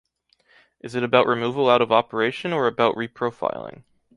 Is it about removal out of operation or about reprofiling?